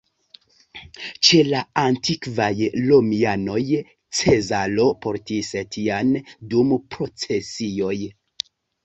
Ĉe la antikvaj romianoj Cezaro portis tian dum procesioj.